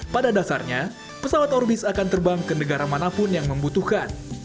pada dasarnya pesawat orbis akan terbang ke negara manapun yang membutuhkan